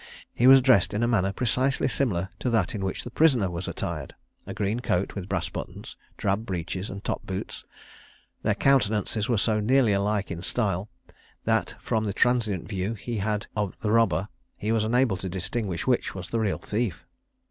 He was dressed in a manner precisely similar to that in which the prisoner was attired a green coat with brass buttons, drab breeches, and top boots; their countenances were so nearly alike in style, that from the transient view he had had of the robber, he was unable to distinguish which was the real thief.